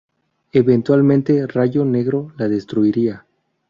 Eventualmente, Rayo Negro la destruiría.